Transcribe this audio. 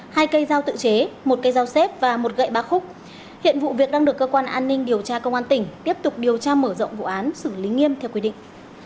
hai cây dao tự chế một cây dao xếp và một gậy ba khúc hiện vụ việc đang được cơ quan an ninh điều tra công an tỉnh tiếp tục điều tra mở rộng vụ án xử lý nghiêm theo quy định